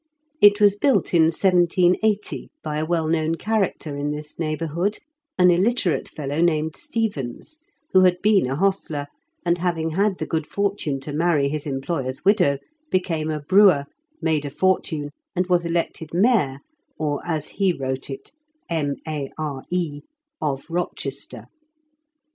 It was built in 1780 by a well known character in this neighbourhood, an illiterate fellow named Stevens, who had been a hostler, and having had the good fortune to marry his employer's widow, became a brewer, made a fortune, and was elected mayor — or, as he wrote it, mare" — of Eochester.